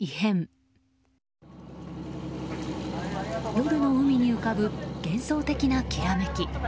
夜の海に浮かぶ幻想的なきらめき。